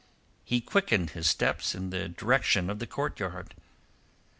He quickened his steps in the direction of the courtyard.